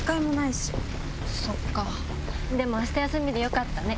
そっかでも明日休みでよかったね。